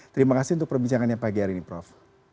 terima kasih untuk perbincangannya pagi hari ini prof